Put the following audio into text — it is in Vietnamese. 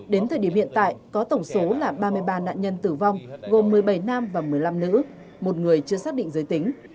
đến thời điểm hiện tại có tổng số là ba mươi ba nạn nhân tử vong gồm một mươi bảy nam và một mươi năm nữ một người chưa xác định giới tính